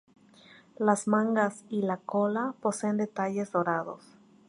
Las mangas y la cola poseen detalles dorados.